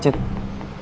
putri gak masuk kuliah